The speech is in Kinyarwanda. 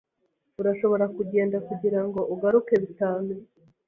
Urashobora kugenda kugirango ugaruke bitanu.